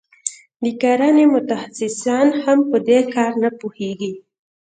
د کرنې متخصصان هم په دې کار نه پوهیږي.